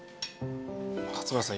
勝村さん